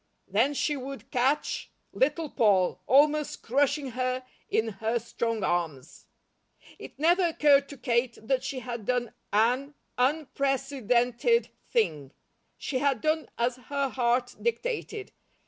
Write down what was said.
Then she would catch Little Poll, almost crushing her in her strong arms. It never occurred to Kate that she had done an unprecedented thing. She had done as her heart dictated.